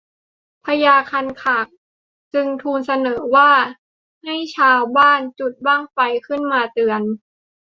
พญาคันคากจึงทูลเสนอว่าจะให้ชาวบ้านจุดบั้งไฟขึ้นมาเตือน